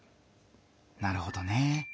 なるほどね。